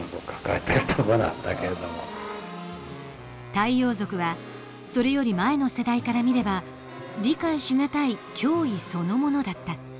太陽族はそれより前の世代から見れば理解しがたい脅威そのものだった。